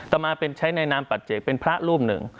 ต่อมาเป็นใช้ในนามปัจเจกเป็นพระรูปหนึ่ง